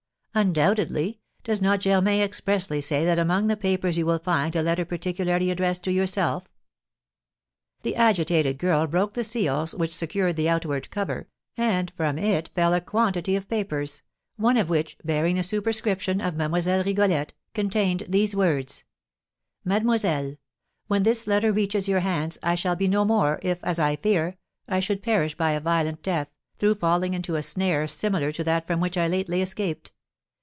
"Undoubtedly; does not Germain expressly say that among the papers you will find a letter particularly addressed to yourself?" The agitated girl broke the seals which secured the outward cover, and from it fell a quantity of papers, one of which, bearing the superscription of Mlle. Rigolette, contained these words: "MADEMOISELLE: When this letter reaches your hands, I shall be no more, if, as I fear, I should perish by a violent death, through falling into a snare similar to that from which I lately escaped.